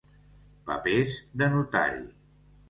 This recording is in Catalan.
Papers de notari.